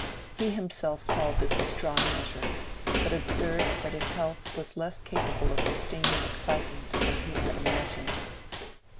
He himself called this a strong measure, but observed that his health was less capable of sustaining excitement than he had imagined.